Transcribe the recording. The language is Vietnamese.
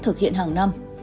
thực hiện hàng năm